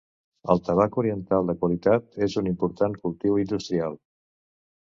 El tabac oriental de qualitat és un important cultiu industrial.